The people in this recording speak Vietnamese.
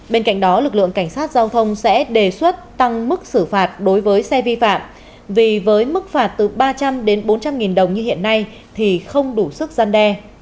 bên cạnh đó lực lượng cảnh sát giao thông sẽ đề xuất tăng mức xử phạt đối với xe vi phạm vì với mức phạt từ ba trăm linh đến bốn trăm linh nghìn đồng như hiện nay thì không đủ sức gian đe